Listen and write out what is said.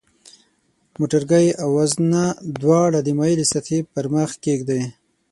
موټرګی او وزنه دواړه د مایلې سطحې پر مخ کیږدئ.